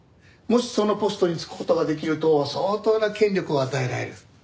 もしそのポストに就く事ができると相当な権力を与えられる。